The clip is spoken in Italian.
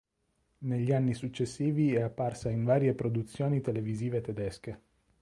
Negli anni successivi è apparsa in varie produzioni televisive tedesche.